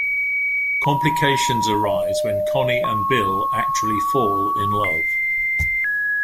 Complications arise when Connie and Bill actually fall in love.